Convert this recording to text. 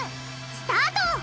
スタート！